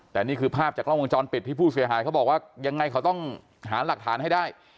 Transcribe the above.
แต่นี่คือภาพจากกล้องวงจรปิดที่ผู้เสียหายเขาบอกว่ายังไงเขาต้องหาหลักฐานให้ได้